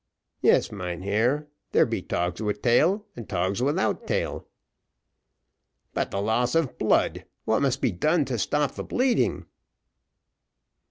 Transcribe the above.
"Yes, mynheer; there be togs with tail and togs without tail." "But the loss of blood what must be done to stop the bleeding?"